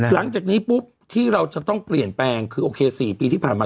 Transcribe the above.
หลังจากนี้ปุ๊บที่เราจะต้องเปลี่ยนแปลงคือโอเค๔ปีที่ผ่านมา